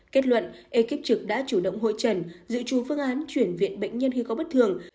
kết luận ekip trực đã chủ động hội trần dự trù phương án chuyển viện bệnh nhân khi có bất thường